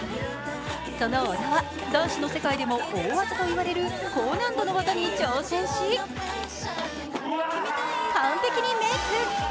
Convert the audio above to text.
その織田は男子の世界でも大技と言われる高難度の技に挑戦し、完璧にメイク